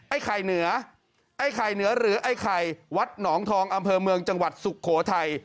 ไข่เหนือไอ้ไข่เหนือหรือไอ้ไข่วัดหนองทองอำเภอเมืองจังหวัดสุโขทัย